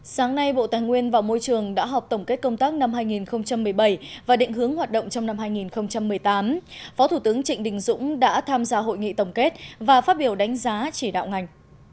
sáng nay bộ tài nguyên và môi trường đã họp tổng kết công tác năm hai nghìn một mươi bảy và định hướng hoạt động trong năm hai nghìn một mươi tám phó thủ tướng trịnh đình dũng đã tham gia hội nghị tổng kết và phát biểu đánh giá chỉ đạo ngành